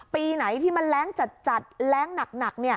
ปีไหนที่มันแรงจัดแรงหนัก